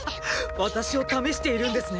私を試しているんですね！！